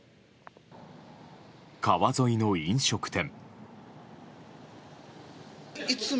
川沿いの飲食店。